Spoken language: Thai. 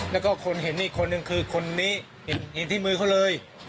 แล้วก็คนเห็นอีกคนนึงคือคนนี้เห็นที่มือเขาเลย